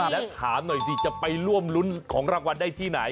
แล้วถามหน่อยสิจะไปร่วมรุ้นของรางวัลได้ที่ไหน